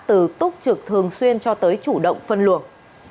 từ túc trực thường xuyên cho tới chủ động phân luồng